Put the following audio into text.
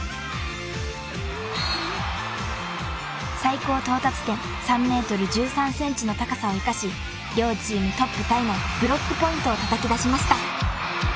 ［最高到達点３ｍ１３ｃｍの高さを生かし両チームトップタイのブロックポイントをたたき出しました］